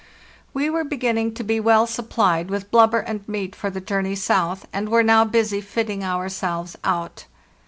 We were beginning to be well supphed with blubber and meat for the journey south, and were now busy fitting ourselves out.